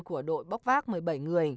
của đội bóc vác một mươi bảy người